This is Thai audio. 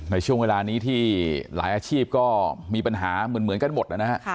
ในช่วงเวลานี้ที่หลายอาชีพก็มีปัญหาเหมือนกันหมดนะฮะ